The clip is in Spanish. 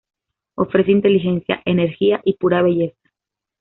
Ofrece inteligencia, energía y pura belleza.